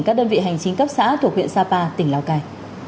các đơn vị hành chính cấp xã thuộc huyện sapa tỉnh lào cai